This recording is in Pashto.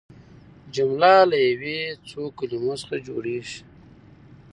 جمله له یوې یا څو کلیمو څخه جوړیږي.